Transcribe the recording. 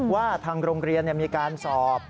ว่าทางโรงเรียนมีการสอบ